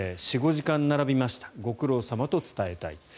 ４５時間並びましたご苦労様と伝えたい。